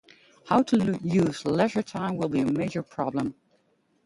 How to use leisure time will be a major problem.